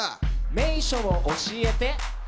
名所を教えて。